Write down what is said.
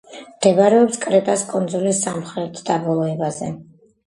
მდებარეობს კრეტას კუნძულის სამხრეთ დაბოლოებაზე.